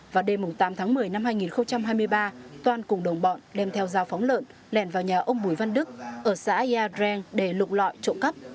vào đêm tám tháng một mươi năm hai nghìn hai mươi ba toan cùng đồng bọn đem theo dao phóng lợn lèn vào nhà ông bùi văn đức ở xã yadreng để lục lọi trộm cắp